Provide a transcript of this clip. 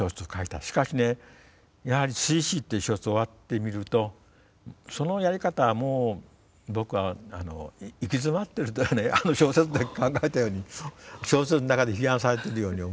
しかしねやはり「水死」っていう小説を終わってみるとそのやり方はもう僕は行き詰まってるとあの小説で書かれたように小説の中で批判されてるように思ってるんです。